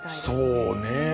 そうね。